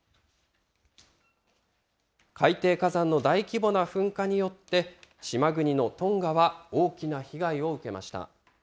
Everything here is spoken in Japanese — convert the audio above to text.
海底火山の大規模な噴火によって、島国のトンガは大きな被害を受けました。